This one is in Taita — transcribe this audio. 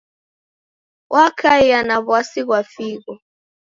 Wakaia na w'asi ghwa figho.